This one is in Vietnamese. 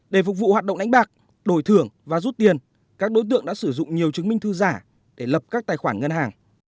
để phục vụ hoạt động đánh bạc đổi thưởng và rút tiền các đối tượng đã sử dụng nhiều chứng minh thư giả để lập các tài khoản ngân hàng